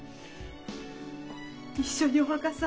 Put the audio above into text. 一緒にお墓さ？